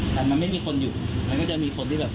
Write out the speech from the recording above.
แต่มันไม่มีคนอยู่มันก็จะมีคนที่แบบ